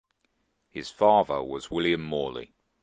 His father was William Morley.